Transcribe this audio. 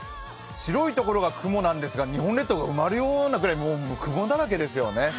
白い所が雲なんですが日本列島が埋まるようなもう雲だらけですよね。